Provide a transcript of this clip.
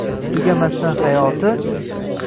Tugamasdan hayoti?